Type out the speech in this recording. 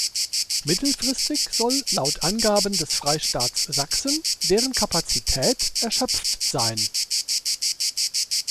Mittelfristig soll laut Angaben des Freistaats Sachsen deren Kapazität erschöpft sein.